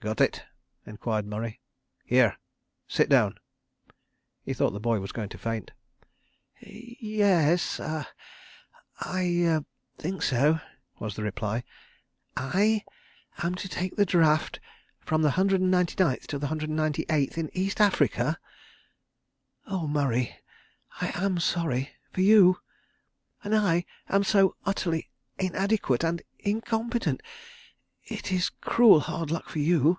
"Got it?" enquired Murray. "Here, sit down." He thought the boy was going to faint. "Ye e s. I—er—think so," was the reply. "I am to take the draft from the Hundred and Ninety Ninth to the Hundred and Ninety Eighth in East Africa! ... Oh, Murray, I am sorry—for you. ... And I am so utterly inadequate and incompetent. ... It is cruel hard luck for you.